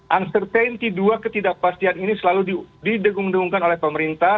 uncertainty dua ketidakpastian ini selalu didegung degungkan oleh pemerintah